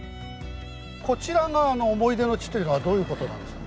こちらが思い出の地というのはどういうことなんですか？